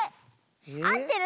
あってる。